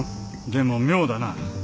でも妙だな。